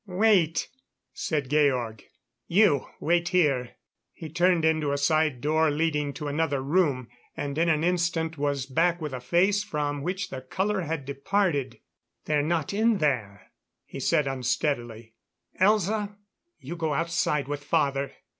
"Wait!" said Georg. "You wait here." He turned into a side door leading to another room, and in an instant was back with a face from which the color had departed. "They're not in there," he said unsteadily. "Elza you go outside with father....